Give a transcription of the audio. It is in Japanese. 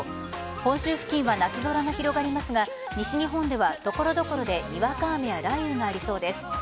本州付近は夏空も広がりますが西日本は所々でにわか雨や雷雨がありそうです。